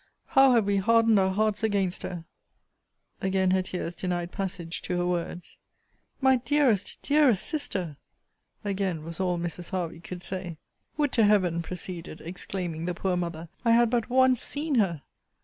How have we hardened our hearts against her! Again her tears denied passage to her words. My dearest, dearest Sister! again was all Mrs. Hervey could say. Would to Heaven, proceeded, exclaiming, the poor mother, I had but once seen her!